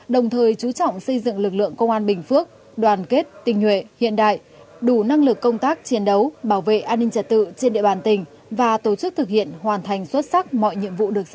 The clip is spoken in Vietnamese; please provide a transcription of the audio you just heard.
đồng thời chú trọng xây dựng lực lượng công an bình phước đoàn kết tinh nhuệ hiện đại đủ năng lực công tác chiến đấu bảo vệ an ninh trật tự trên địa bàn tỉnh và tổ chức thực hiện hoàn thành xuất sắc mọi nhiệm vụ được giao